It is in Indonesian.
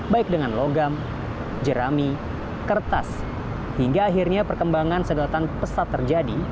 baik dengan logam jerami kertas hingga akhirnya perkembangan sedotan pesat terjadi